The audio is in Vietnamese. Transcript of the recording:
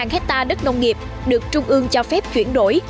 hai mươi sáu hectare đất nông nghiệp được trung ương cho phép chuyển đổi